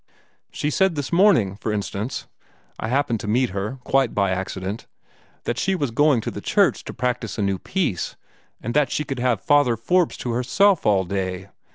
She said this morning, for instance I happened to meet her, quite by accident that she was going to the church to practise a new piece, and that she could have Father Forbes to herself all day.